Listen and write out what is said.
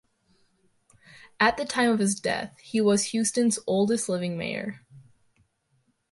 At the time of his death, he was Houston's oldest living mayor.